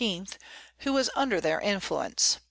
who was under their influence.